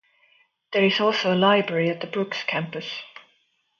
There is also a library at the Brooks Campus.